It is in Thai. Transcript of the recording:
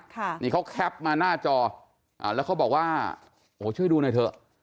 ค่ะนี่เขาแคปมาหน้าจออ่าแล้วเขาบอกว่าโอ้ช่วยดูหน่อยเถอะ